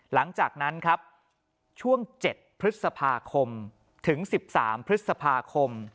หลังจากนั้นครับช่วง๗พฤษภาคมถึง๑๓พฤษภาคม